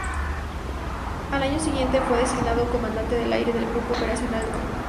Al año siguiente fue designado Comandante del Aire del Grupo Operacional No.